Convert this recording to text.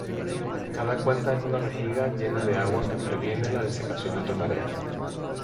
Cada cuenta es una vejiga llena de agua que previene la desecación entre mareas.